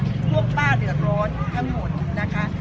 พวกป้าเดือดร้อนทั้งหมดนะคะ